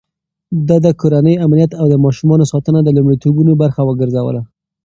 ده د کورنۍ امنيت او د ماشومانو ساتنه د لومړيتوبونو برخه وګرځوله.